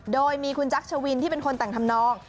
โดยมีคุณจักรชวินที่เป็นคนแต่งทำนอง